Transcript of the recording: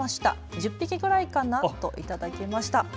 １０匹ぐらいかなと頂きました。